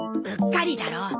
うっかりだろ。